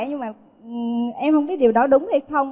nhưng mà em không biết điều đó đúng hay không